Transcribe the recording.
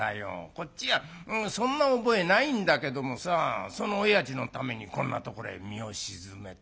こっちはそんな覚えないんだけどもさそのおやじのためにこんなところへ身を沈めて。